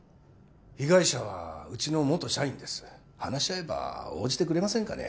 被害者はうちの元社員です話し合えば応じてくれませんかね